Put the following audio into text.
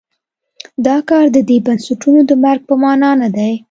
دا کار د دې بنسټونو د مرګ په معنا نه دی.